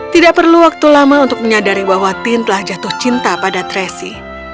tidak perlu waktu lama untuk menyadari bahwa tin telah jatuh cinta pada tracy